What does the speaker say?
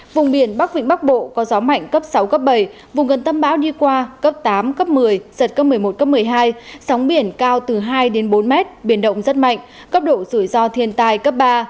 vùng biển bắc vĩnh bắc bộ có gió mạnh cấp sáu cấp bảy vùng gần tâm bão đi qua cấp tám cấp một mươi giật cấp một mươi một cấp một mươi hai sóng biển cao từ hai bốn mét biển động rất mạnh cấp độ rủi ro thiên tai cấp ba